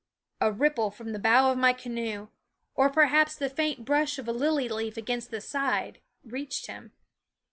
A ripple from the bow of my canoe, or perhaps the faint brush of a lily leaf against the side, reached him.